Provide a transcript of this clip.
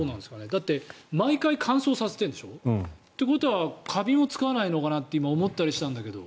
だって、毎回乾燥させてるんでしょ？ということはカビがつかないのかなって今、思ったりしたんだけど。